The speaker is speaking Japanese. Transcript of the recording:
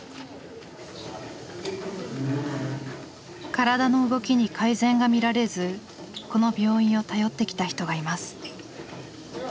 体の動きに改善が見られずこの病院を頼ってきた人がいます。